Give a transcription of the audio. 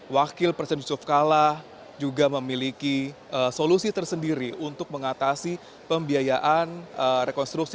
wakil presiden yusuf kalla juga memiliki solusi tersendiri untuk mengatasi pembiayaan rekonstruksi